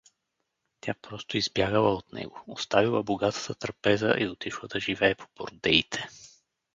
Тя просто избягала от него, оставила богатата трапеза и отишла да живее по бордеите.